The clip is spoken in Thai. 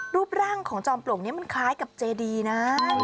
รูปร่างของจอมปลวกนี้มันคล้ายกับเจดีนะ